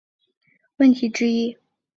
错排问题是组合数学中的问题之一。